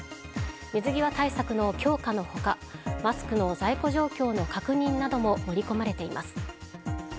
水際対策の強化の他マスクの在庫状況の確認なども盛り込まれています。